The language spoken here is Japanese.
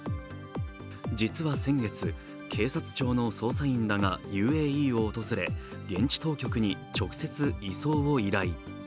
実は先月、警察庁の捜査員らがＵＡＥを訪れ、現地当局に直接、移送を依頼。